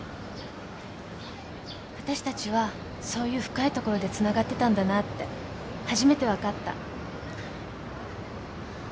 あたしたちはそういう深いところでつながってたんだなって初めて分かった。